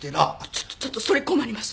ちょっとちょっとそれ困ります。